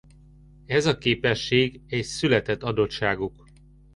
Ez a képesség egy született adottságuk.